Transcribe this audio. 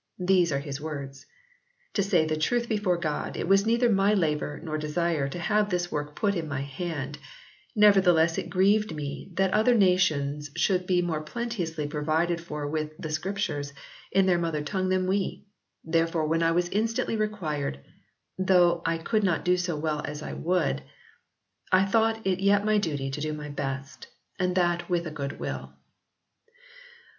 These are his words :" To say the truth before God, it was neither my labour nor desire to have this work put in my hand, nevertheless it grieved me that other nations should be more plenteously provided for with the Scripture in their mother tongue than we ; therefore when I was instantly required, though I could not do so well as I would, I thought it yet my duty to do my best and that with a good will."